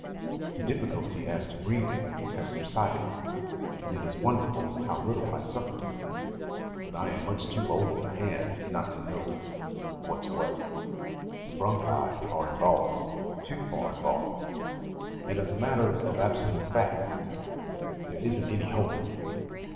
The difficulty as to breathing has subsided, and it is wonderful how little I suffer: but I am much too old a hand not to know what's what: the bronchi are involved too far involved and as a matter of absolute fact, there isn't any hope.